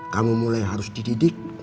kamu mulai harus dididik